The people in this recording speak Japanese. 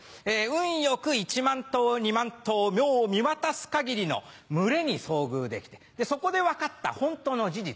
運よく１万頭２万頭もう見渡す限りの群れに遭遇できてそこで分かったホントの事実。